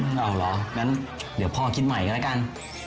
เอาเหรองั้นเดี๋ยวพ่อคิดใหม่กันแล้วกัน